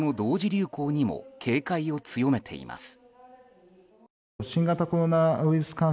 流行にも警戒を強めています。